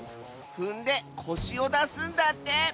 ふんでこしをだすんだって！